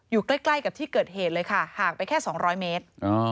อยู่ใกล้กับที่เกิดเหตุเลยค่ะห่างไปแค่๒๐๐เมตร